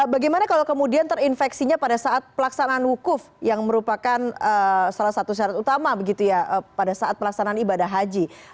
bagaimana kalau kemudian terinfeksinya pada saat pelaksanaan wukuf yang merupakan salah satu syarat utama begitu ya pada saat pelaksanaan ibadah haji